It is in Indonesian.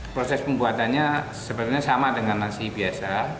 proses pembuatannya sebenarnya sama dengan nasi biasa